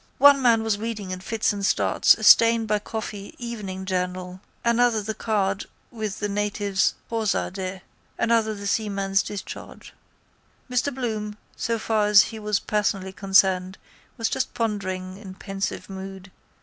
One man was reading in fits and starts a stained by coffee evening journal, another the card with the natives choza de, another the seaman's discharge. Mr Bloom, so far as he was personally concerned, was just pondering in pensive mood.